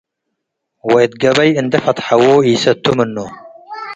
ወእት ገበይ እንዴ ፈትሐዎ ኢሰቱ ምኑ ።